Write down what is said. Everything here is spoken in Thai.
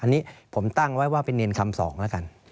อันนี้ผมตั้งไว้ว่าเป็นเนรคำสองแล้วกัน